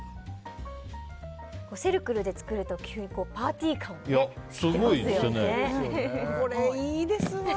セルクルで作るとパーティー感が出ますよね。